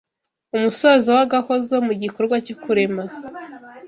umusozo w’agahozo mu gikorwa cyo kurema.